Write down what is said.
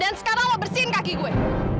dan sekarang lo bersihin kaki gue